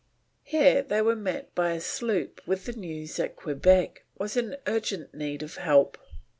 Here they were met by a sloop with the news that Quebec was in urgent need of help.